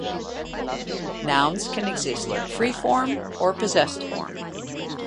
Nouns can exist in free form or possessed form.